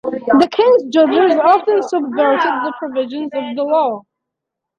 The King's judges often subverted the provisions of the law.